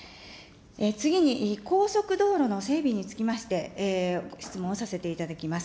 次に高速道路の整備につきまして、質問をさせていただきます。